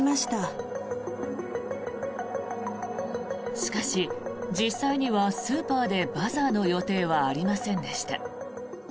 しかし、実際にはスーパーでバザーの予定はありませんでした。